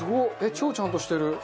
超ちゃんとしてる。